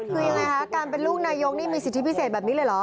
คือยังไงคะการเป็นลูกนายกนี่มีสิทธิพิเศษแบบนี้เลยเหรอ